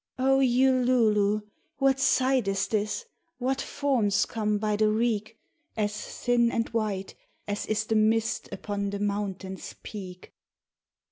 O Ululu ! what sight is this, what forms come by the reek As thin and white as is the mist upon the mountain's peak.